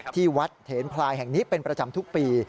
ที่วัดเถนพลายแห่งนี้เป็นประจำทุกปี